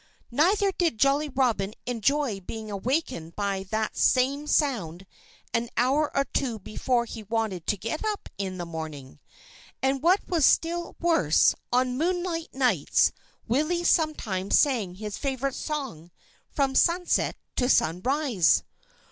Neither did Jolly Robin enjoy being awakened by that same sound an hour or two before he wanted to get up in the morning. And what was still worse, on moonlight nights Willie sometimes sang his favorite song from sunset to sunrise.